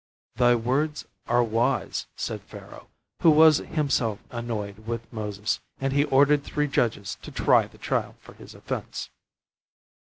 "Thy words are wise," said Pharaoh, who was himself annoyed with Moses, and he ordered three judges to try the child for his offence.